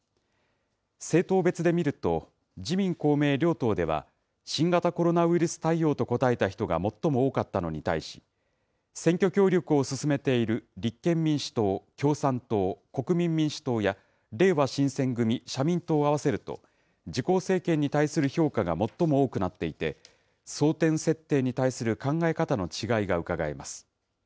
政党別で見ると、自民、公明両党では新型コロナウイルス対応と答えた人が最も多かったのに対し、選挙協力を進めている立憲民主党、共産党、国民民主党や、れいわ新選組、社民党を合わせると、自公政権に対する評価が最も多くなっていて、争点設定に対する考え方の違いがうかがえます。